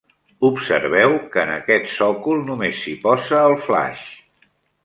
Observeu que en aquest sòcol només s'hi posa el flaix.